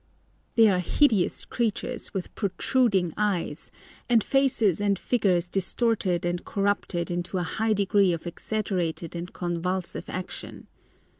They are hideous creatures, with protruding eyes, and faces and figures distorted and corrupted into a high degree of exaggerated and convulsive action.